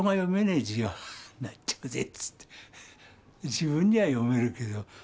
自分には読めるけど。